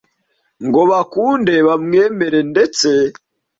ngo bakunde bamwemere ndetse